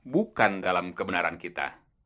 bukan dalam kebenaran kita